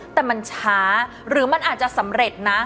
แต่มันช้าหรือมันอาจจะสำเร็จนะ